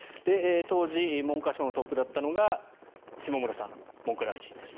当時、文科省のトップだったのが下村文科大臣です。